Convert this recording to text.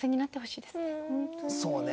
そうね。